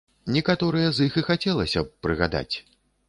Некаторыя з іх і хацелася б прыгадаць.